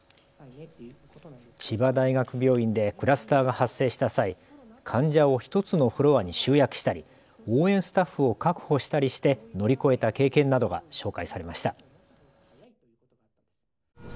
千葉大学病院でクラスターが発生した際、患者を１つのフロアに集約したり応援スタッフを確保したりして乗り越えた経験などが紹介されました。